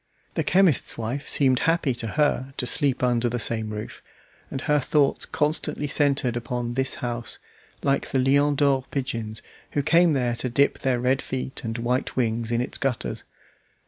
The chemist's wife seemed happy to her to sleep under the same roof, and her thoughts constantly centered upon this house, like the "Lion d'Or" pigeons, who came there to dip their red feet and white wings in its gutters.